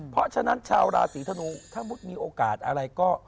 เพราะฉะนั้นชาวราศีธนูถ้ามุติมีโอกาสอะไรก็